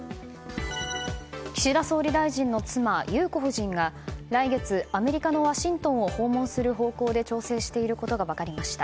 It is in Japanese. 岸田総理大臣の妻裕子夫人が来月、アメリカのワシントンを訪問する方向で調整していることが分かりました。